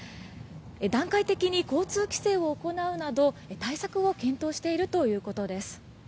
段階的に交通規制を行うなど対策を検討しているということです。